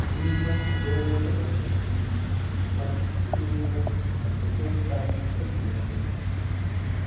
We maun go to business, Steenie; much to do, and little time to do it in."